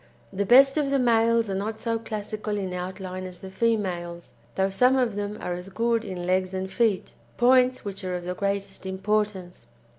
The best of the males are not so classical in outline as the females, though some of them are as good in legs and feet points which are of the greatest importance.